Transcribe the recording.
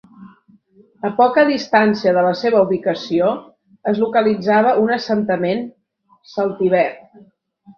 A poca distància de la seva ubicació, es localitzava un assentament celtiber.